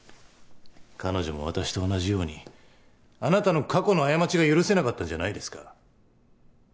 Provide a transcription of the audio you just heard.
彼女も私と同じようにあなたの過去の過ちが許せなかったんじゃないですか？